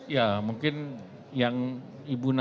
ya mungkin yang ibu nana